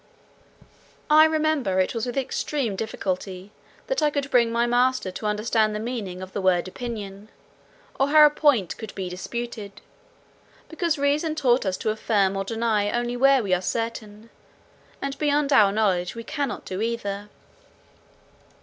I remember it was with extreme difficulty that I could bring my master to understand the meaning of the word opinion, or how a point could be disputable; because reason taught us to affirm or deny only where we are certain; and beyond our knowledge we cannot do either.